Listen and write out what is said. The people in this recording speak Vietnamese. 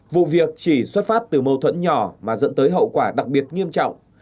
vụ việc chỉ xuất phát từ mâu thuẫn nhỏ mà dẫn tới hậu quả đặc biệt nghiêm trọng